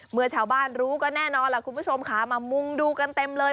เมื่อชาวบ้านรู้ก็แน่นอนล่ะคุณผู้ชมค่ะมามุงดูกันเต็มเลย